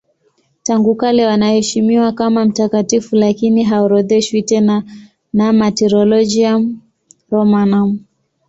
Tangu kale wanaheshimiwa kama mtakatifu lakini haorodheshwi tena na Martyrologium Romanum.